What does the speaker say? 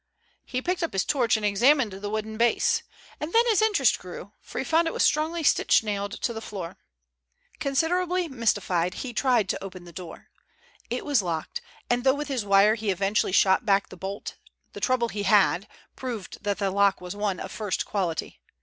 He picked up his torch and examined the wooden base. And then his interest grew, for he found it was strongly stitch nailed to the floor. Considerably mystified, he tried to open the door. It was locked, and though with his wire he eventually shot back the bolt, the trouble he had, proved that the lock was one of first quality.